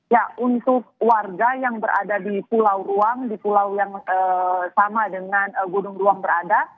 ya untuk warga yang berada di pulau ruang di pulau yang sama dengan gunung ruang berada